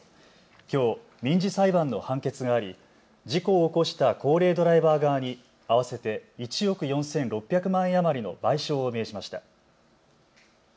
きょう民事裁判の判決があり事故を起こした高齢ドライバー側に合わせて１億４６００万円余りの賠償を命じました。